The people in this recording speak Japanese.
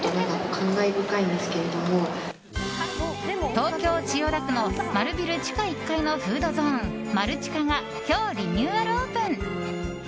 東京・千代田区の丸ビル地下１階のフードゾーンマルチカが今日、リニューアルオープン。